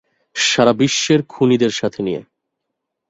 সারাবিশ্বের খুনিদের সাথে নিয়ে।